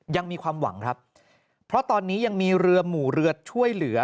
ยังมีความหวังครับเพราะตอนนี้ยังมีเรือหมู่เรือช่วยเหลือ